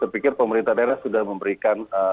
terpikir pemerintah daerah sudah memberikan